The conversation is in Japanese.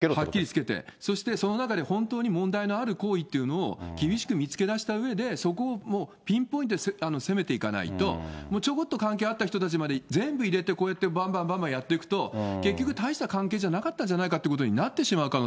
つまりあれですか、旧統一教会および関連団体との距離感の濃淡を一人一人はっきりつはっきりつけて、そしてその中で、本当に問題のある行為っていうのを、厳しく見つけだしたうえで、そこをもうピンポイントでせめていかないと、もうちょこっと関係あった人たちまで全部入れて、こうやってばんばんばんばんやっていくと、結局大した関係じゃなかったんじゃないかというふうになってしま